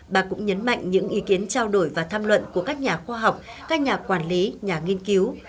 bà cũng nhấn mạnh những ý kiến trao đổi và tham luận của các nhà khoa học các nhà quản lý nhà nghiên cứu